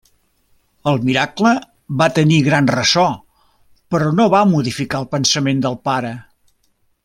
El miracle va tenir gran ressò, però no va modificar el pensament del pare.